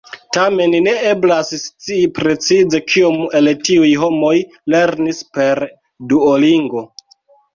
Tamen, ne eblas scii precize kiom el tiuj homoj lernis per Duolingo.